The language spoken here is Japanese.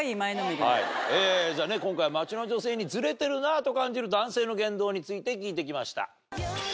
じゃあね今回街の女性にズレてるなと感じる男性の言動について聞いてきました。